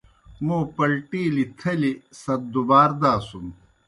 موں پلٹِیلِیْ تھلیْ ست دُبار داسُن۔